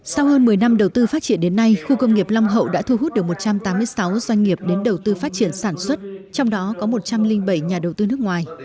sau hơn một mươi năm đầu tư phát triển đến nay khu công nghiệp long hậu đã thu hút được một trăm tám mươi sáu doanh nghiệp đến đầu tư phát triển sản xuất trong đó có một trăm linh bảy nhà đầu tư nước ngoài